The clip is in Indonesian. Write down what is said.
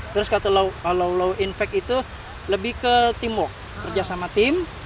terus kalau low impact itu lebih ke teamwork kerja sama tim